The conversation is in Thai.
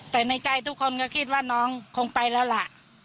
แต่ในใจทุกคนก็คิดว่าน้องคงไปแล้วล่ะ